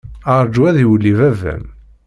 Rju ad d-iwelli baba-m.